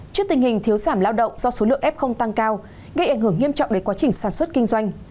trước tình hình thiếu giảm lao động do số lượng f tăng cao gây ảnh hưởng nghiêm trọng đến quá trình sản xuất kinh doanh